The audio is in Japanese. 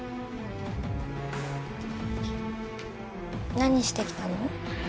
何してきたの？